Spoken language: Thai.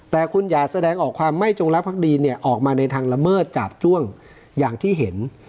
แต่คุณอย่าแสดงออกความไม่จงรักภักดีเนี่ยออกมาในทางละเมิดจาบจ้วงอย่างที่เห็น